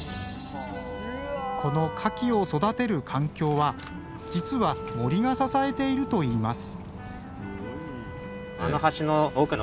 このカキを育てる環境は実は森が支えているといいます。